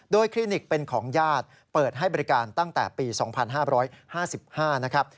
คลินิกเป็นของญาติเปิดให้บริการตั้งแต่ปี๒๕๕๕นะครับ